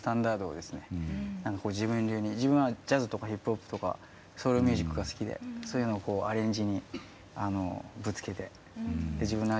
自分流に自分はジャズとかヒップホップとかソウルミュージックが好きでそういうのをアレンジにぶつけて自分の味を出そうと思って。